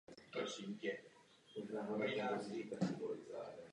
Lékařské vyšetření prokáže zvětšení jater a postupně také zvětšení sleziny.